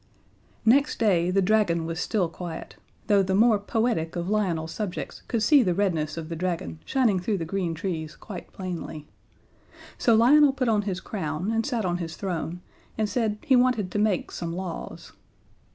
Next day the Dragon was still quiet, though the more poetic of Lionel's subjects could see the redness of the Dragon shining through the green trees quite plainly. So Lionel put on his crown and sat on his throne and said he wanted to make some laws.